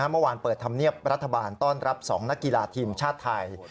เมื่อวานเปิดธรรมเนียบรัฐบาลต้อนรับ๒นักกีฬาทีมชาติไทย